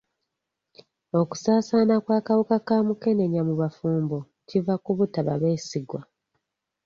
Okusaasaana kw'akaawuka ka mukenenya mu bafumbo kiva ku butaba beesigwa.